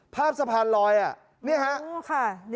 ภาพสะพานลอยนี่ครับ